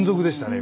今。